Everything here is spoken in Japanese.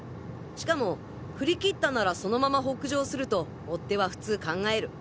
しかも振り切ったならそのまま北上すると追手は普通考える。